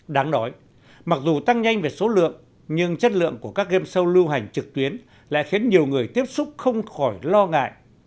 đáng nói mặc dù tăng nhanh về số lượng nhưng chất lượng của các game show lưu hành trực tuyến lại khiến nhiều người tiếp xúc không khỏi lo ngại